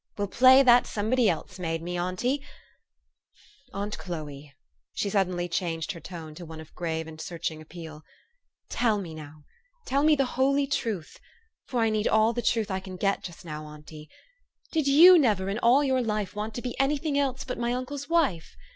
We'll play that somebody else made me, auntie. Aunt Chloe," she suddenly changed her tone to one of grave and searching appeal, " tell me now, tell me the holy truth (for I need all the truth I can get just now, auntie) , did you never in all your life want to be any thing else but my uncle's wife?